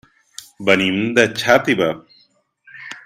Venim de Xàtiva.